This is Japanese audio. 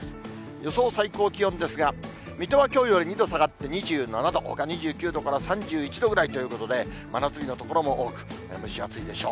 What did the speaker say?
予想最高気温ですが、水戸はきょうより２度下がって２７度、ほか２９度から３１度ぐらいということで、真夏日の所も多く、蒸し暑いでしょう。